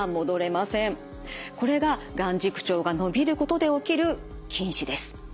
これが眼軸長が伸びることで起きる近視です。